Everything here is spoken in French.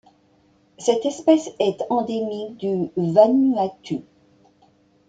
Cette espèce est endémique du Vanuatu.